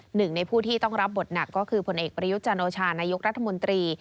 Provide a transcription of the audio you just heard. หนึ่งในผู้ที่ต้องรับบทหนักก็คือผลเอกประยุทธ์จันโอชานายกรัฐมนตรี